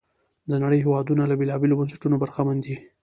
د نړۍ هېوادونه له بېلابېلو بنسټونو برخمن دي.